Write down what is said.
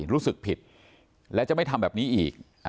รู้สึกผิดและจะไม่ทำแบบนี้อีก